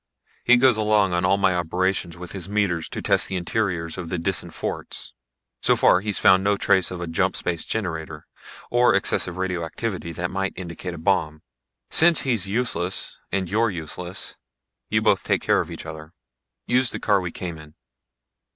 He goes along on all my operations with his meters to test the interiors of the Disan forts. So far he's found no trace of a jump space generator, or excess radioactivity that might indicate a bomb. Since he's useless and you're useless, you both take care of each other. Use the car we came in."